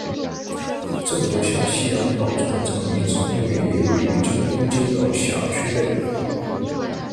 郑和下西洋宝船厂遗址公园也位于江东街道辖区内。